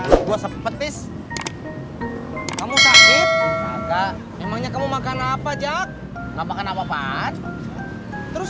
ya gua sepetis kamu sakit emangnya kamu makan apa jack ngapain apa pak terus